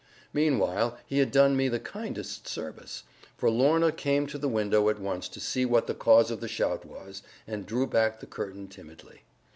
Meanwhile he had done me the kindest service; for Lorna came to the window at once to see what the cause of the shout was, and drew back the curtain timidly.